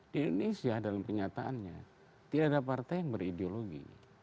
di indonesia dalam kenyataannya tidak ada partai yang berideologi